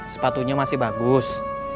sepatunya masih bagus